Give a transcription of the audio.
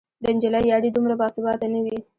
د نجلۍ یاري دومره باثباته نه وي